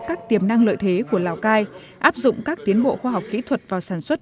các tiềm năng lợi thế của lào cai áp dụng các tiến bộ khoa học kỹ thuật vào sản xuất